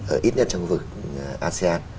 ở ít nhất trong khu vực asean